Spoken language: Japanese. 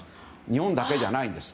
日本だけじゃないんです。